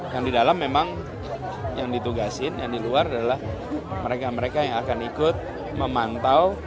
yang di dalam memang yang ditugasin yang di luar adalah mereka mereka yang akan ikut memantau